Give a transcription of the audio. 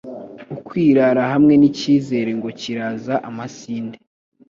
Ukwirara hamwe n'icyizere ngo kiraza amasinde